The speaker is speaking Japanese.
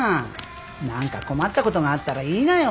何か困ったことがあったら言いなよ。